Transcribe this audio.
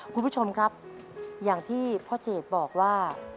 คุณผู้ชมครับอย่างที่พ่อเจดบอกว่า